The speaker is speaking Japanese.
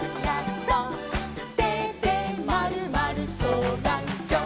「てでまるまるそうがんきょう」